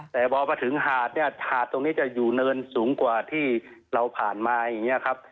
แต่พอมาถึงหาดเนี่ยหาดตรงนี้จะอยู่เนินสูงกว่าที่เราผ่านมาอย่างนี้ครับ